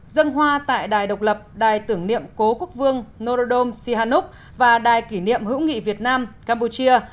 dân hoa tại đài độc lập đài tưởng niệm cố quốc vương norodom sihanouk và đài kỷ niệm hữu nghị việt nam campuchia